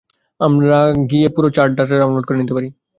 আমরা গিয়ে পুরো চার্ট ডাটা ডাউনলোড করে নিতে পারি?